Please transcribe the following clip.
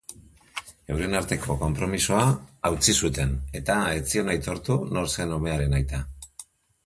Euren arteko konpromisoa hautsi zuten eta ez zion aitortu nor zen umearen aita.